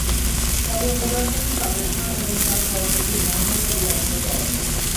তবে মূল আসামি কাদের খান এবং তাঁর সহযোগী মহম্মদ আলি এখনো পলাতক।